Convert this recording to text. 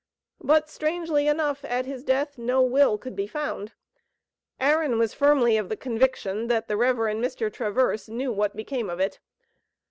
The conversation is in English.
But, strangely enough, at his death no will could be found. Aaron was firmly of the conviction that the Rev. Mr. Traverse knew what became of it.